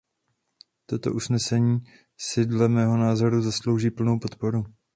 Toto usnesení si dle mého názoru zaslouží plnou podporu.